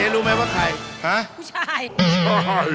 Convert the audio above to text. รู้ไหมว่าใคร